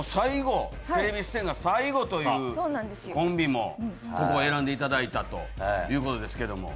テレビ出演が最後というコンビもここ選んでいただいたということですけども。